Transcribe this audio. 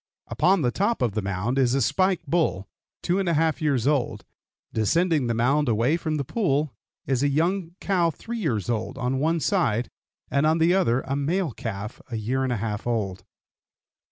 Upon the top of the mound is a "spike" bull, two and a half years old; descending the mound away from the pool is a young cow three years old, on one side, and on the other a male calf a year and a half old.